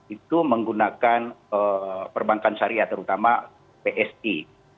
itu menggunakan perbankan syariah terutama bsi